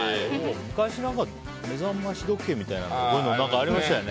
昔、目覚まし時計みたいなのでこういうのありましたよね。